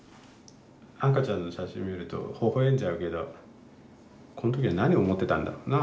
赤ちゃんの写真見るとほほ笑んじゃうけどこん時は何を思ってたんだろうな？